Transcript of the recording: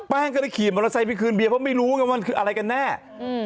ก็ได้ขี่มอเตอร์ไซค์ไปคืนเบียร์เพราะไม่รู้ไงว่ามันคืออะไรกันแน่อืม